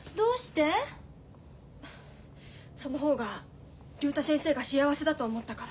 その方が竜太先生が幸せだと思ったから。